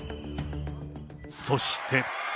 そして。